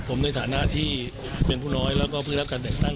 ผมในฐานะที่เป็นผู้น้อยแล้วก็เพิ่งรับการแต่งตั้ง